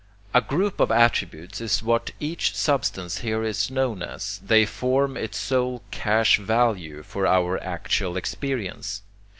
A group of attributes is what each substance here is known as, they form its sole cash value for our actual experience.